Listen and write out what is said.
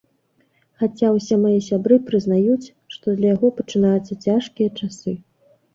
Хаця ўсе мае сябры прызнаюць, што для яго пачынаюцца цяжкі часы.